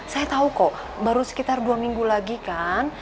saya tahu kok baru sekitar dua minggu lagi kan